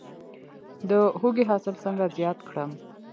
د هوږې حاصل څنګه زیات کړم؟